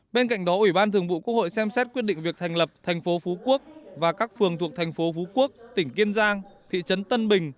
bên cạnh đó ủy ban thường vụ quốc hội xem xét quyết định việc thành lập thành phố phú quốc và các phường thuộc thành phố phú quốc tỉnh kiên giang thị trấn tân bình